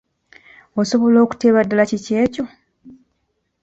Osobola okuteeba ddala kiki ekyo?